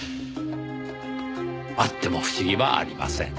あっても不思議はありません。